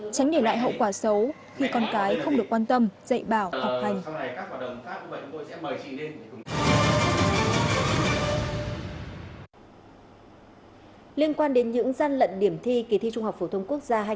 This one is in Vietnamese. tránh để lại hậu quả xấu khi con cái không được quan tâm dạy bảo học hành